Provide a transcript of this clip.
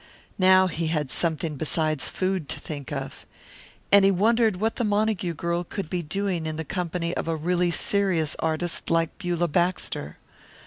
Now he had something besides food to think of. And he wondered what the Montague girl could be doing in the company of a really serious artist like Beulah Baxter.